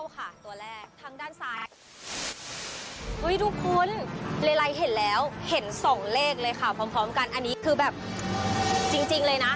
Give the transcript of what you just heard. ทุกคนเลไลเห็นแล้วเห็นสองเลขเลยค่ะพร้อมกันอันนี้คือแบบจริงเลยนะ